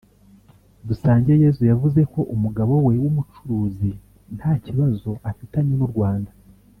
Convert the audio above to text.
Dusangeyezu yavuze ko umugabo we w’umucuruzi nta kibazo afitanye n’u Rwanda